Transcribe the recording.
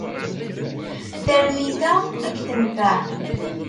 Tarmit-a ad k-tenfeɛ.